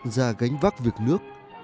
ra gánh vác việc nước